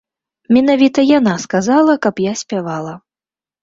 Менавіта яна сказала, каб я спявала.